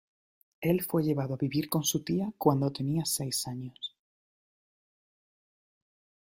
Él fue llevado a vivir con su tía cuando tenía seis años.